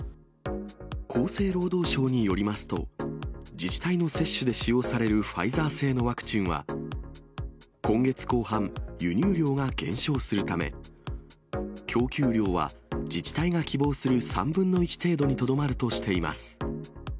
厚生労働省によりますと、自治体の接種で使用されるファイザー製のワクチンは、今月後半、輸入量が減少するため、供給量は自治体が希望する３分の１程度にとどまるとしています。